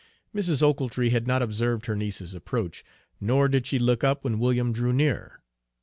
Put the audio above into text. Mrs. Ochiltree had not observed her niece's approach, nor did she look up when William drew near.